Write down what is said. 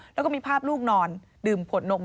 แล้วก็มีภาพลูกนอนดื่มขวดนม